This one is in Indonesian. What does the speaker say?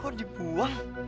aduh buang buang